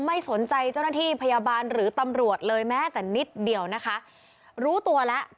ไม่สนใจเจ้าหน้าที่พยาบาลหรือตำรวจเลยแม้แต่นิดเดียวนะคะรู้ตัวแล้ว